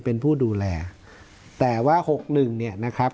เป็นผู้ดูแลแต่ว่าหกหนึ่งเนี่ยนะครับ